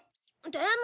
でも。